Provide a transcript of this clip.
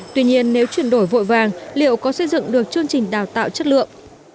tuy nhiên nếu chuyển đổi vội vàng liệu có xây dựng được chương trình đào tạo chất lượng